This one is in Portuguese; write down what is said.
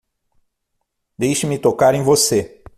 Deixe-me tocar em você!